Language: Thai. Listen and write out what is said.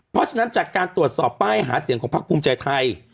เพราะฉะนั้นจากการตรวจสอบป้ายหาเสียงของพักภูมิใจไทย